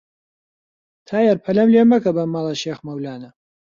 تایر پەلەم لێ مەکە بە ماڵە شێخ مەولانە